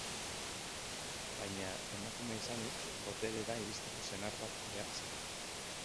Baina, emakumea izanik, boterera iristeko senar bat behar zen.